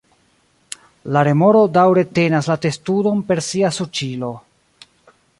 La remoro daŭre tenas la testudon per sia suĉilo.